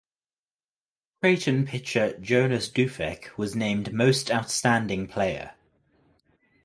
Creighton pitcher Jonas Dufek was named Most Outstanding Player.